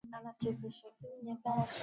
Yule msichana alinivutia sana